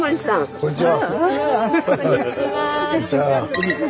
こんにちは。